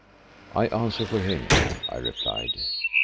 "I answer for him," I replied.